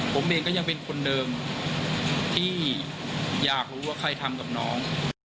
ผมเองก็ยังเป็นคนเดิมที่อยากรู้ว่าใครทำกับน้อง